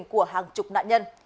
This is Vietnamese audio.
của hàng chục nạn nhân